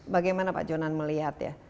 bagaimana pak jonan melihat ya